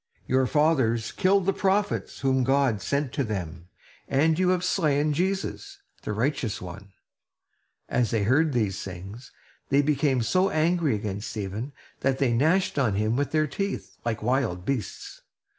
Your fathers killed the prophets whom God sent to them; and you have slain Jesus, the Righteous One!" As they heard these things, they became so angry against Stephen, that they gnashed on him with their teeth, like wild beasts.